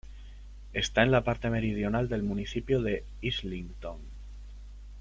Está en la parte meridional del municipio de Islington.